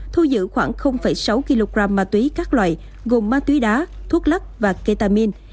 thu giữ khoảng sáu kg ma túy các loại gồm ma túy đá thuốc lắc và ketamin